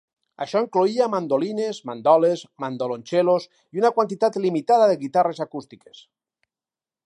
Això incloïa mandolines, mandoles, mandolonchelos i una quantitat limitada de guitarres acústiques.